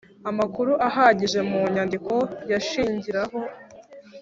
Amakuru ahagije mu nyandiko yashingiraho